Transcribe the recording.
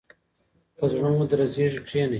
که زړه مو درزیږي کښینئ.